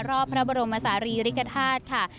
รอบพระบรมศาลีริกฐาตุค่ะ